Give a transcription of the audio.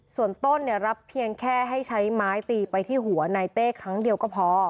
ส่วนต้นรับเพียงแค่ให้ใช้ไม้ตีไปที่หัวนายเต้ครั้งเดียวก็พอ